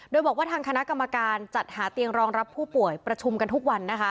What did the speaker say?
โดยบอกว่าทางคณะกรรมการจัดหาเตียงรองรับผู้ป่วยประชุมกันทุกวันนะคะ